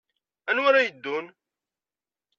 Anwa ara yeddun?